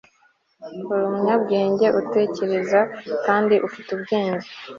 uri umunyabwenge, utekereza, kandi ufite ubwenge